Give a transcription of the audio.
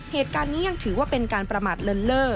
เหตุการณ์นี้ยังถือว่าเป็นการประมาทเลินเล่อ